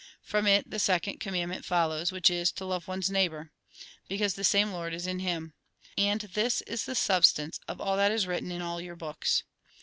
From it the second commandment follows, which is, to love one's neighbour. Because the same Lord is in him. And this is the substance of all that is written in all your books."